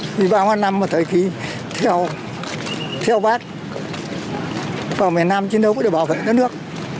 vì bao nhiêu năm mà thời kỳ theo bác vào miền nam chính thức để bảo vệ đất nước